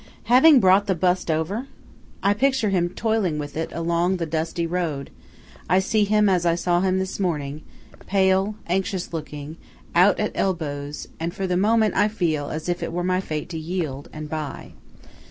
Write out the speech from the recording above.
Having brought the bust over! I picture him toiling with it along the dusty road–I see him as I saw him this morning, pale, anxious looking, out at elbows; and for the moment I feel as if it were my fate to yield, and buy.